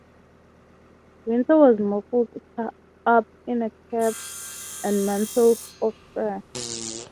Winter was muffled up in cap and mantle of fur.